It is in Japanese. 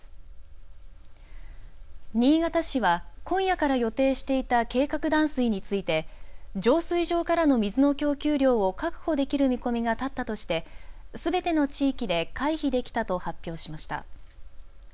新潟市は今夜から予定していた計画断水について浄水場からの水の供給量を確保できる見込みが立ったとしてすべての地域で回避できたと発表しました。